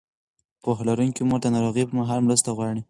پوهه لرونکې مور د ناروغۍ پر مهال مرسته غواړي.